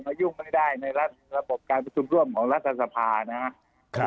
ยุ่งไม่ได้ในระบบการประชุมร่วมของรัฐสภานะครับ